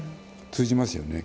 通じますね。